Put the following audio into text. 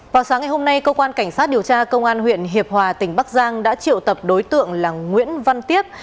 vào sáng ngày hôm nay cơ quan cảnh sát điều tra công an huyện hiệp hòa tỉnh bắc giang đã triệu tập đối tượng là nguyễn văn tiếp